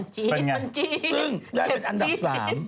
ซึ่งได้เป็นอันดับ๓